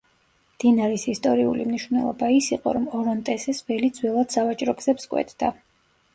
მდინარის ისტორიული მნიშვნელობა ის იყო, რომ ორონტესის ველი ძველად სავაჭრო გზებს კვეთდა.